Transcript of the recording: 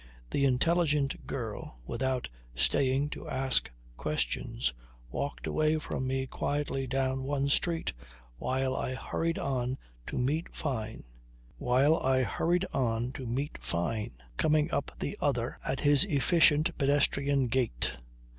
The intelligent girl, without staying to ask questions, walked away from me quietly down one street while I hurried on to meet Fyne coming up the other at his efficient pedestrian gait.